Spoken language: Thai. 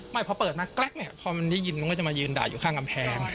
ไม่พอเปิดมาแกร๊กเนี่ยพอมันได้ยินมันก็จะมายืนด่าอยู่ข้างกำแพง